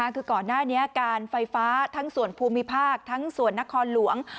คือก่อนหน้านี้การไฟฟ้าทั้งส่วนภูมิภาคทั้งส่วนนครหลวง